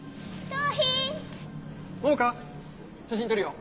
桃香写真撮るよ。